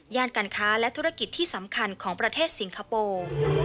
การค้าและธุรกิจที่สำคัญของประเทศสิงคโปร์